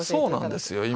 そうなんですよ。